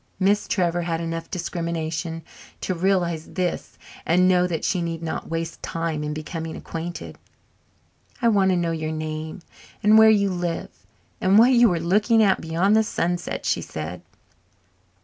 Miss Trevor had enough discrimination to realize this and know that she need not waste time in becoming acquainted. "I want to know your name and where you live and what you were looking at beyond the sunset," she said.